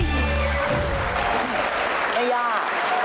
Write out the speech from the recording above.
ไม่ยาก